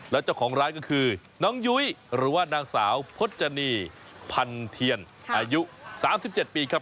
แล้วเจ้าของร้านก็คือน้องยุ้ยหรือว่านางสาวพจนีพันเทียนอายุ๓๗ปีครับ